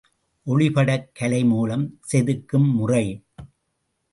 ஒளிப்படக் கலை மூலம் செதுக்கும் முறை.